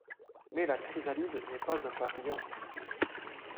Mais la chrysalide n'est pas un papillon.